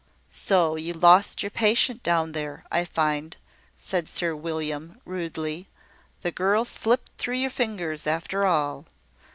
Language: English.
"So you lost your patient down there, I find," said Sir William, rudely. "The girl slipped through your fingers, after all.